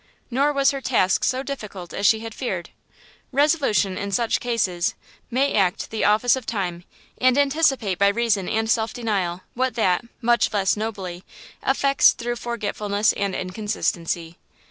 Nor was her task so difficult as she had feared; resolution, in such cases, may act the office of time, and anticipate by reason and self denial, what that, much less nobly, effects through forgetfulness and inconstancy.